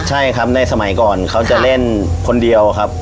ใช่ครับในสมัยก่อนเขาจะเล่นคนเดียวครับ